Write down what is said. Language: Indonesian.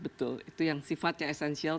betul itu yang sifatnya esensial